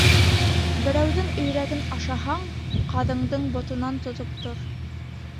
Берәүҙең өйрәген ашаһаң, ҡаҙындың ботонан тотоп тор.